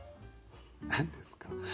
何ですか？